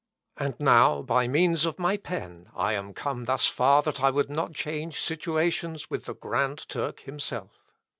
And now by means of my pen, I am come thus far, that I would not change situations with the Grand Turk himself.